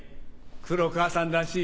黒川さんらしい